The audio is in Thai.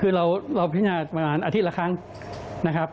คือเราพิจารณาประมาณอาทิตย์ละครั้งนะครับ